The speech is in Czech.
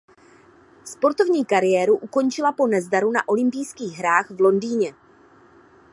Sportovní kariéru ukončila po nezdaru na olympijských hrách v Londýně.